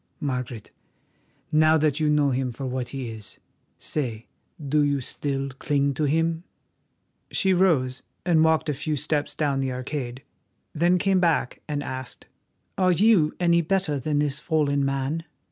Margaret, now that you know him for what he is, say, do you still cling to him?" She rose and walked a few steps down the arcade, then came back and asked: "Are you any better than this fallen man?"